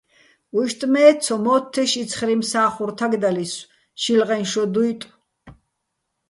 უჲშტ მე́, ცო მო́თთეშ იცხრიჼ მსა́ხურ თაგდალისო̆, შილღეჼ შო დუჲტო̆.